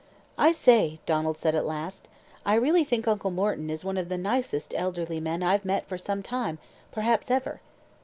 "I say," Donald said at last, "I really think Uncle Morton is one of the nicest elderly men I've met for some time, perhaps ever."